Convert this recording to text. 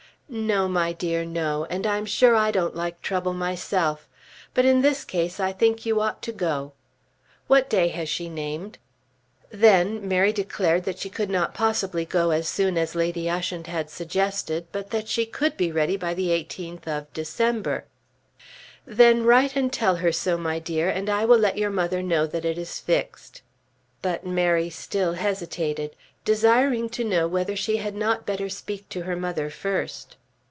"No, my dear; no; and I'm sure I don't like trouble myself. But in this case I think you ought to go. What day has she named?" Then Mary declared that she could not possibly go so soon as Lady Ushant had suggested, but that she could be ready by the 18th of December. "Then write and tell her so, my dear, and I will let your mother know that it is fixed." But Mary still hesitated, desiring to know whether she had not better speak to her mother first.